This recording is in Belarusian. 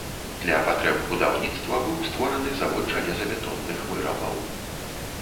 Для патрэб будаўніцтва быў створаны завод жалезабетонных вырабаў.